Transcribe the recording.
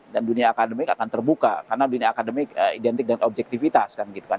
dan dunia akademik akan terbuka karena dunia akademik identik dan objektifitas kan gitu kan